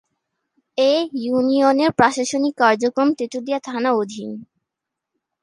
এ ইউনিয়নের প্রশাসনিক কার্যক্রম তেতুলিয়া থানা অধীন।